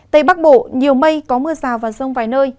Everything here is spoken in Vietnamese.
tây bắc bộ nhiều mây có mưa rào và rông vài nơi